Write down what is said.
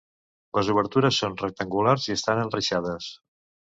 Les obertures són rectangulars i estan enreixades.